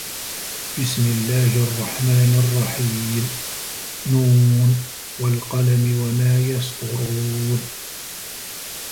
بِسمِ اللَّهِ الرَّحمنِ الرَّحيمِ ن وَالقَلَمِ وَما يَسطُرونَ